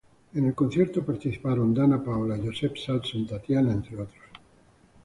En el concierto participaron Danna Paola, Joseph Sasson, Tatiana, entre otros.